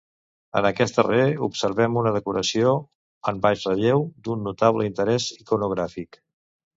En aquest darrer observem una decoració en baix relleu d'un notable interès iconogràfic.